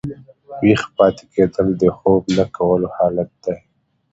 ویښ پاته کېدل د خوب نه کولو حالت دئ.